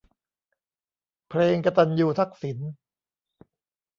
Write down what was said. เพลง กตัญญูทักษิณ